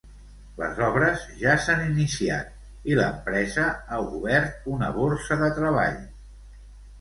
Les obres ja s'han iniciat i l'empresa ha obert una borsa de treball.